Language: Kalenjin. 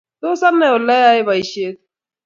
Tos anai oleyae boishiet?